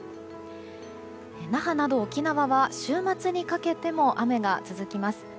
那覇など沖縄は週末にかけても雨が続きます。